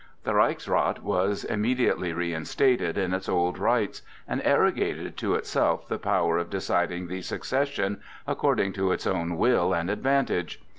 The Reichsrath was immediately reinstated in its old rights, and arrogated to itself the power of deciding the succession according to its own will and advantage.